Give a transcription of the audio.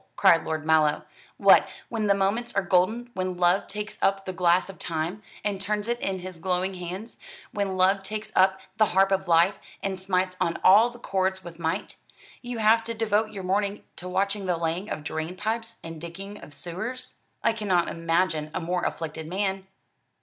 cried Lord Mallow; "what, when the moments are golden, when 'Love takes up the glass of Time, and turns it in his glowing hands,' when 'Love takes up the harp of life, and smites on all the chords with might,' you have to devote your morning to watching the laying of drain pipes and digging of sewers! I cannot imagine a more afflicted man."